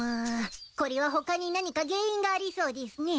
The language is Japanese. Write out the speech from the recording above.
こりは他に何か原因がありそうでぃすね。